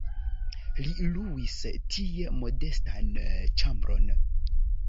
Li luis tie modestan ĉambron.